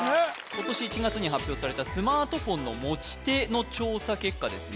今年１月に発表されたスマートフォンの持ち手の調査結果ですね